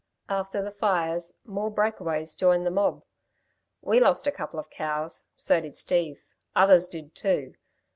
After the fires more breakaways joined the mob. We lost a couple of cows so did Steve others did too.